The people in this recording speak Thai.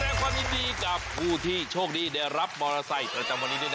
แสดงความยินดีกับผู้ที่โชคดีได้รับมอเตอร์ไซค์ประจำวันนี้ด้วยนะ